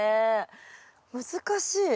難しい。